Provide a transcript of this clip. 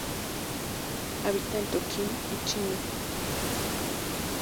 Habita en Tonkin y China.